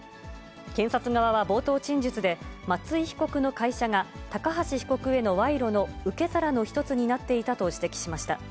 検察側は冒頭陳述で、松井被告の会社が、高橋被告への賄賂の受け皿の一つになっていたと指摘しました。